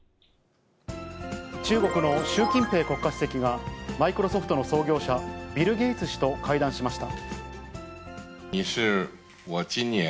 中国の習近平国家主席が、マイクロソフトの創業者、ビル・ゲイツ氏と会談しました。